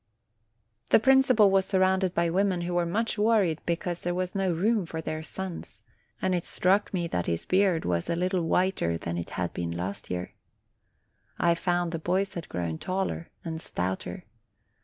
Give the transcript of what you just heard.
The principal was surrounded by women who were much worried because there was no room for their sons ; and it struck me that his beard was a little whiter than it had been last year. I found the boys had grown taller and stouter.